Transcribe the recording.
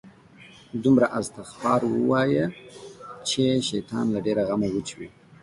دومره استغفار وایه، چې شیطان له ډېره غمه وچوي